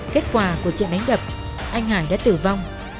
kết quả của trận đánh đập anh hải đã tử vong